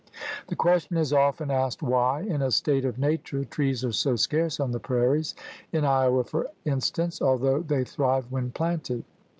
The question is often asked why, in a state of nature, trees are so scarce on the prairies — in Iowa, for instance — although they thrive when planted.